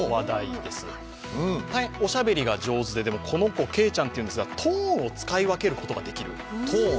大変おしゃべりが上手で、この子、ケイちゃんっていうんですが、トーンを使い分けることができる。